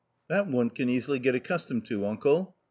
" "That one can easily get accustomed to, uncle."